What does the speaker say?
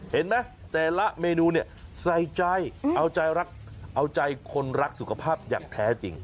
เห็นไหมแต่ละเมนูใส่ใจเอาใจคนรักสุขภาพอย่างแท้จริง